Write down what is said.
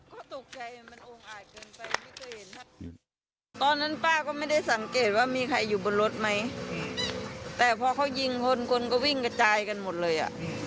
ก็ตกใจมันองค์อาจเกินไปไม่เคยเห็นตอนนั้นป้าก็ไม่ได้สังเกตว่ามีใครอยู่บนรถไหมแต่พอเขายิงคนคนก็วิ่งกระจายกันหมดเลยอ่ะ